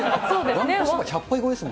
わんこそば１００杯超えです